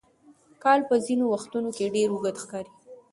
کال په ځینو وختونو کې ډېر اوږد ښکاري.